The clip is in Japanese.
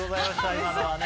今のはね。